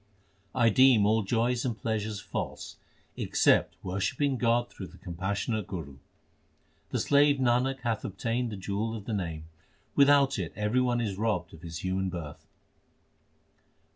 1 deem all joys and pleasures false except worshipping God through the compassionate Guru. The slave Nanak hath obtained the jewel of the Name, without it everybody is robbed of his human birth.